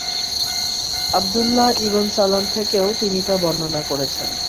Abdullah ibn Salam থেকেও তিনি তা বর্ণনা করেছেন।